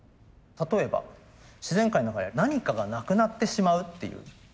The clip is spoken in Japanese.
例えば自然界の中で何かがなくなってしまうっていうケースがあります。